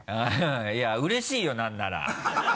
いやうれしいよ何なら。